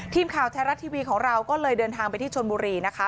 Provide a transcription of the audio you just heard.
ทีมข่าวไทยรัฐทีวีของเราก็เลยเดินทางไปที่ชนบุรีนะคะ